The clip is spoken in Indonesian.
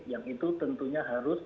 yang itu tentunya harus